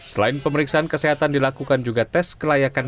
selain pemeriksaan kesehatan dilakukan juga tes kelayakan mengenai kesehatan